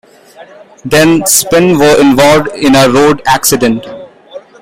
Then, Sp!n were involved in a road accident.